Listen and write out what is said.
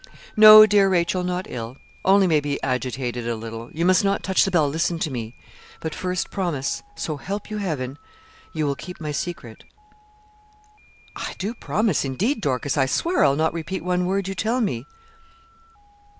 'No, dear Rachel, not ill, only maybe agitated a little. You must not touch the bell listen to me; but first promise, so help you Heaven, you will keep my secret.' 'I do promise, indeed Dorcas, I swear I'll not repeat one word you tell me.'